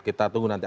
kita tunggu nanti